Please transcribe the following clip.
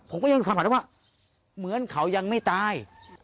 ผมก็ยังสัมผัสได้ว่าเหมือนเขายังไม่ตาย